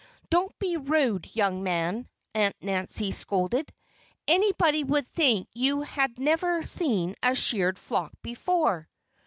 "Don't be rude, young man!" Aunt Nancy scolded. "Anybody would think you had never seen a sheared flock before."